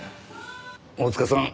大塚さん